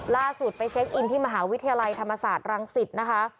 ล่าสุดไปเช็คอินที่มหาวิทยาลัยธรรมศาสตร์รังสิตนะคะ